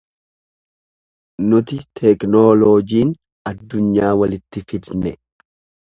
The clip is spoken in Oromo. Nuti teknooloojiin addunyaa walitti fidne.